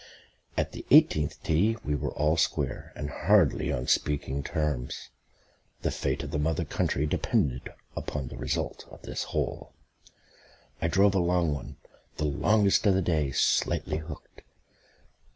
At the eighteenth tee we were all square and hardly on speaking terms. The fate of the Mother Country depended upon the result of this hole. I drove a long one, the longest of the day, slightly hooked.